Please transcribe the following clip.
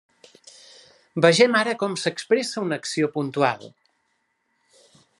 Vegem ara com s'expressa una acció puntual.